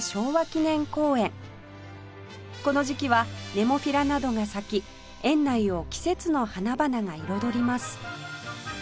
この時期はネモフィラなどが咲き園内を季節の花々が彩ります